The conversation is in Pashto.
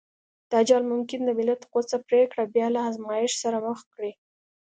دا جال ممکن د ملت غوڅه پرېکړه بيا له ازمایښت سره مخ کړي.